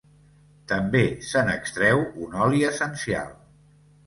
També se n'extreu un oli essencial.